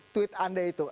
tweet anda itu